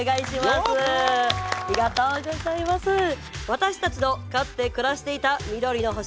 私たちのかつて暮らしていた緑の星